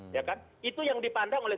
ya kan itu yang dipandang oleh